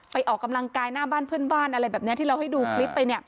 ออกกำลังกายหน้าบ้านเพื่อนบ้านอะไรแบบนี้ที่เราให้ดูคลิปไปเนี่ย